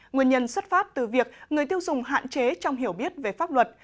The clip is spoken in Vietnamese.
nguyên nhân xuất phát từ việc người tiêu dùng hạn chế trong hiểu biết về pháp luật